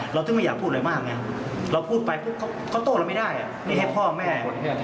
เราไม่อยากพูดอะไรมากเนี้ยเราพูดไปก็เค้าโตเราไม่ได้นี่ให้พ่อแม่